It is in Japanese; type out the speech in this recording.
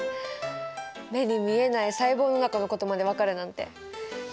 目に見えない細胞の中のことまで分かるなんて顕微鏡様々ですね。